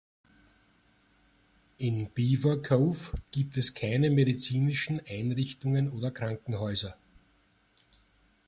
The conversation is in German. In Beaver Cove gibt es keine medizinischen Einrichtungen oder Krankenhäuser.